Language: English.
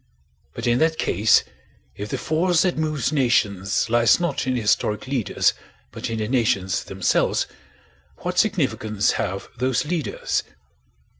But in that case, if the force that moves nations lies not in the historic leaders but in the nations themselves, what significance have those leaders?